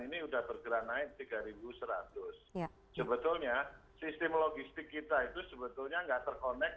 ini udah bergerak naik tiga ribu seratus sebetulnya sistem logistik kita itu sebetulnya nggak terkonek